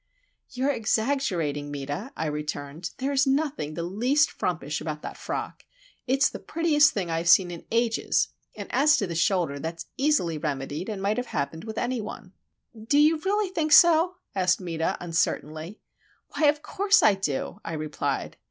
"You're exaggerating, Meta," I returned. "There is nothing the least frumpish about that frock. It's the prettiest thing I have seen in ages,—and as to the shoulder, that's easily remedied, and might have happened with any one." "Do you really think so?" asked Meta, uncertainly. "Why, of course I do," I replied.